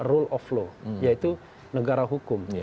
rule of law yaitu negara hukum